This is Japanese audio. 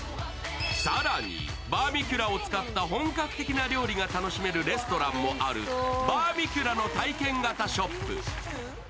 更に、バーミキュラを使った本格的な料理も楽しめるレストランもあるバーミキュラの体験型ショップ。